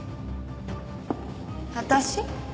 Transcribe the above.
私？